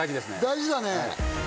大事だね